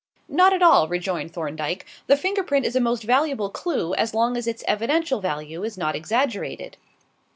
"Not at all," rejoined Thorndyke; "the finger print is a most valuable clue as long as its evidential value is not exaggerated.